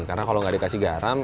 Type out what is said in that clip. karena kalau enggak dikasih garam